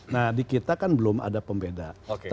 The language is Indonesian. nah di kita kan belum ada pembeda